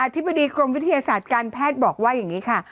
ธิบดีกรมวิทยาศาสตร์การแพทย์บอกว่าอย่างนี้ค่ะ